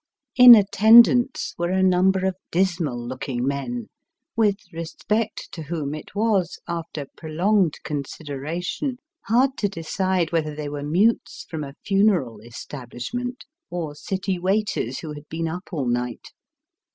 In attendance were a number of dismal looking men, with respect to whom it was, after prolonged consideration, hard to decide whether they were mutes from a funeral es tabHshment or city waiters who had been up all night.